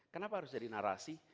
kenapa harus jadi narasi